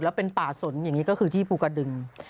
แล้วเป็นป่าสนอย่างนี้ก็คือที่ภูกระดึง